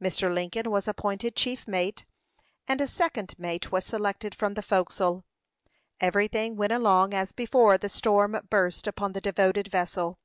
Mr. Lincoln was appointed chief mate, and a second mate was selected from the forecastle. Everything went along as before the storm burst upon the devoted vessel.